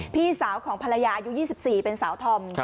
พี่สาวของภรรยาอายุ๒๔เป็นสาวธอม